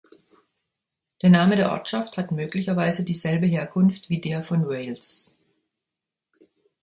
Der Name der Ortschaft hat möglicherweise dieselbe Herkunft wie der von Wales.